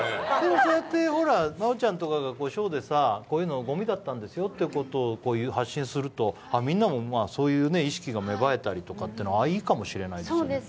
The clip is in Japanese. そうやって真央ちゃんとかがショーでこういうのをごみだったんですよと発信すると、みんなもそういう意識が芽生えたりというのは、いいかもしれないですね。